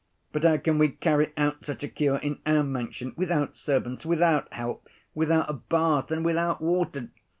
But how can we carry out such a cure in our mansion, without servants, without help, without a bath, and without water?